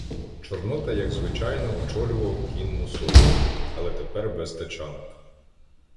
Чорнота, як звичайно, очолював кінну сотню, але тепер без тачанок.